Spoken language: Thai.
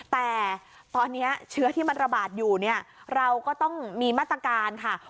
แต่ตอนนี้เชื้อที่มันระบาดอยู่เนี่ยเราก็ต้องมีมาตรการค่ะ